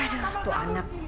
aduh tuh anak